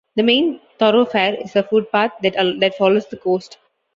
The main thoroughfare is a footpath that follows the coast.